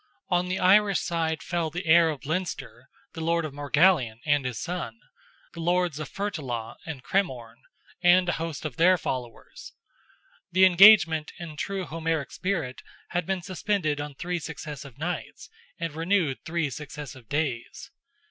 On the Irish side fell the heir of Leinster, the lord of Morgallion and his son; the lords of Fertullagh and Cremorne, and a host of their followers. The engagement, in true Homeric spirit, had been suspended on three successive nights, and renewed three successive days.